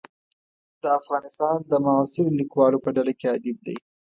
د افغانستان د معاصرو لیکوالو په ډله کې ادیب دی.